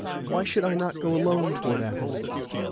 Why should I not go alone toward Athens?